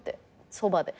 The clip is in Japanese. そばで」